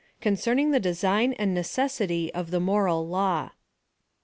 CONCERNING THE DESIGN AND NECESSITY OF THE MORAL LAW.